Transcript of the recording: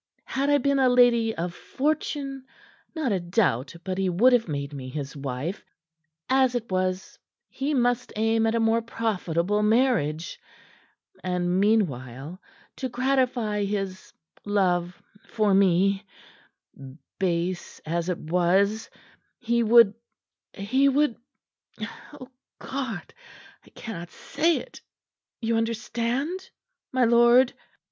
Had I been a lady of fortune, not a doubt but he would have made me his wife; as it was, he must aim at a more profitable marriage, and meanwhile, to gratify his love for me base as it was he would he would O God! I cannot say it. You understand, my lord."